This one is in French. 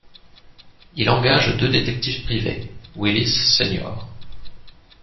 Il engage deux détectives privés, Willis Sr.